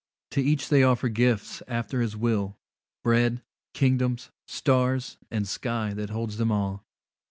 To each they offer gifts after his will, Bread, kingdoms, stars, and sky that holds them all.